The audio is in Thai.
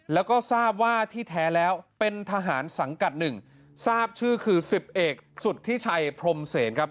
แล้วก็ทราบว่าที่แท้แล้วเป็นทหารสังกัดหนึ่งทราบชื่อคือสิบเอกสุธิชัยพรมเศษครับ